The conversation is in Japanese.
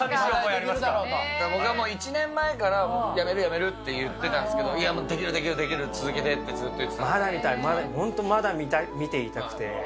僕はもう１年前からやめる、やめると言ってたんですけど、いや、できる、できる、続けてっまだ見たい、本当、まだ見ていたくて。